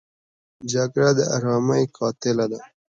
جګړه د آرامۍ قاتله ده